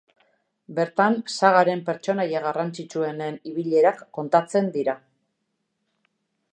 Bertan sagaren pertsonaia garrantzitsuenen ibilerak kontatzen dira.